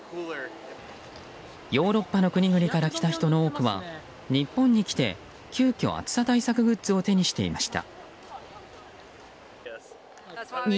ヨーロッパの国々から来た人の多くは日本に来て、急きょ暑さ対策グッズを手にしていました。